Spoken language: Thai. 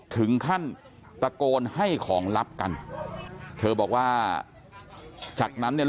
ถึงขั้นตะโกนให้ของลับกันเธอบอกว่าจากนั้นเนี่ย